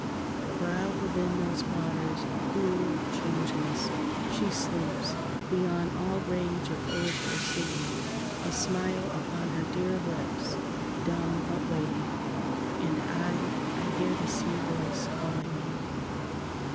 For out within those waters, cruel, changeless, She sleeps, beyond all rage of earth or sea; A smile upon her dear lips, dumb, but waiting, And I—I hear the sea voice calling me.